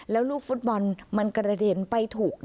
แล้วลูกฟุตบอลมันกระเด็นไปถูก